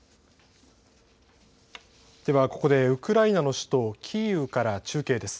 ではここでウクライナの首都キーウから中継です。